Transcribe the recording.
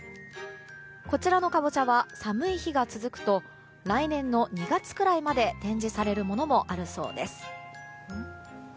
こちらのカボチャは寒い日が続くと来年の２月くらいまで展示されるものもあるそうです。